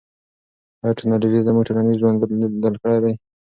آیا ټیکنالوژي زموږ ټولنیز ژوند بدل کړی دی؟